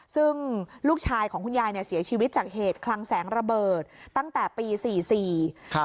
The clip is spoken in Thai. ซึ่งลูกชายของคุณยายเนี่ยเสียชีวิตจากเหตุคลังแสงระเบิดตั้งแต่ปีสี่สี่ครับ